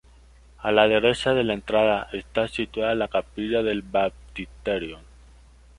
A la derecha de la entrada está situada la Capilla del Baptisterio.